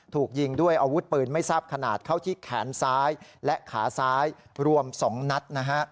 ถูกยิงด้วยอาวุธปืนไม่ทราบขนาดเข้าที่แขนซ้ายและขาซ้ายรวม๒นัดนะฮะ